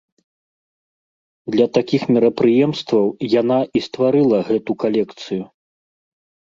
Для такіх мерапрыемстваў яна і стварыла гэту калекцыю.